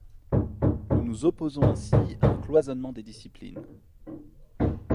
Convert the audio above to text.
Nous nous opposons ainsi à un cloisonnement des disciplines.